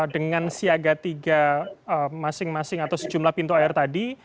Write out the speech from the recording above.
dengan siaga tiga masing masing atau sejumlah pintu air tadi